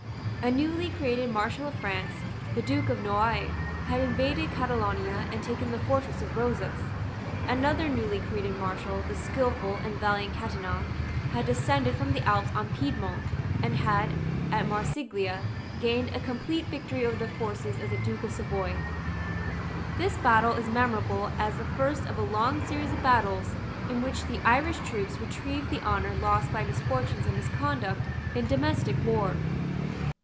A newly created Marshal of France, the Duke of Noailles, had invaded Catalonia and taken the fortress of Rosas. Another newly created Marshal, the skilful and valiant Catinat, had descended from the Alps on Piedmont, and had, at Marsiglia, gained a complete victory over the forces of the Duke of Savoy. This battle is memorable as the first of a long series of battles in which the Irish troops retrieved the honour lost by misfortunes and misconduct in domestic war.